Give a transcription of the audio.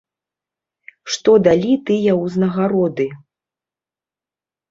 Што далі тыя ўзнагароды?